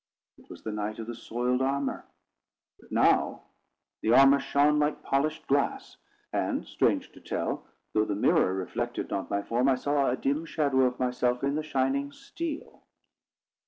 It was the knight of the soiled armour. But now the armour shone like polished glass; and strange to tell, though the mirror reflected not my form, I saw a dim shadow of myself in the shining steel.